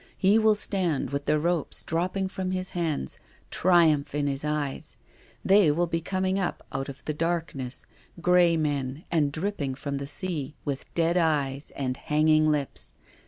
He will stand with the ropes dropping from his hands, triumph in his eyes. They will be seen coming up out of the darkness, grey men and dripping from the sea, with dead eyes and hanging lips.